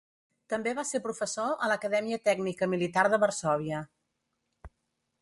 També va ser professor a l'Acadèmia Tècnica Militar de Varsòvia.